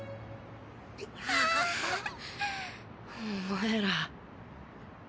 お前ら。